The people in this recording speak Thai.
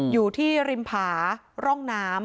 อยู่ที่ริมผาร่องน้ำ